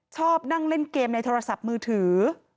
ชอบนั่งเล่นเกมในโทรศัพท์มือถือ